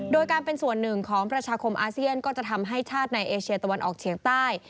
โดยการเป็นส่วนหนึ่งของประชาคมอาเซียนก็จะทำให้ชาติในเอเชียตะวันออกเฉียงใต้